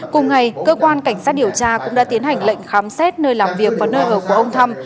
cùng ngày cơ quan cảnh sát điều tra cũng đã tiến hành lệnh khám xét nơi làm việc và nơi ở của ông thăm